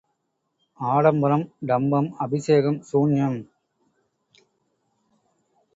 ஆடம்பரம் டம்பம், அபிஷேகம் சூன்யம்.